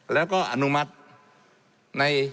แล้วก็อนุมัติใน